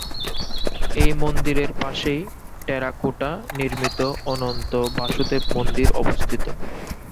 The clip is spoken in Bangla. এই মন্দিরের পাশেই টেরাকোটা নির্মিত অনন্ত বাসুদেব মন্দির অবস্থিত।